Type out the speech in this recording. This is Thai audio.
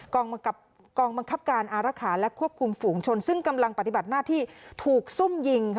กองบังคับการอารักษาและควบคุมฝูงชนซึ่งกำลังปฏิบัติหน้าที่ถูกซุ่มยิง